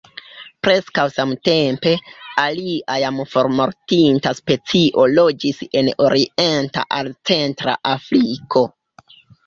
Preskaŭ samtempe, alia jam formortinta specio loĝis en orienta al centra Afriko.